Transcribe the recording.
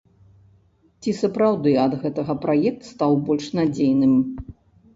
Ці сапраўды ад гэтага праект стаў больш надзейным?